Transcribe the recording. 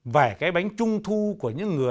vẻ cái bánh trung thu của những người ôi